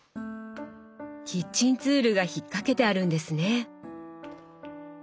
キッチンツールが引っ掛けてあるんですね。